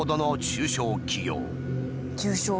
中小企業。